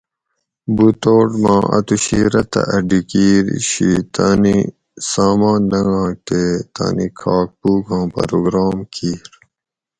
بوتوٹ ما اۤتوشی رتہ اۤ ڈیکِیر شی تانی سامان لنگاگ تے تانی کھاگ پوگ آں پروگرام کِیر